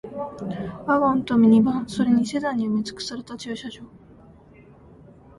ワゴンとミニバン、それにセダンに埋め尽くされた駐車場